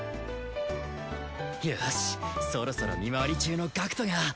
よしそろそろ見回り中の学人が。